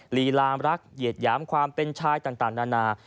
ลีลามรักเหยียดหยามความเป็นชายต่างนานา